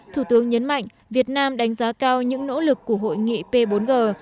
thủ tướng nhấn mạnh việt nam đánh giá cao những nỗ lực của hội nghị p bốn g